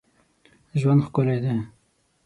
ژوند ښکلی دی